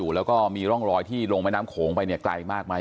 และมีร่องรอยลงไว้ไปไกลมากไหม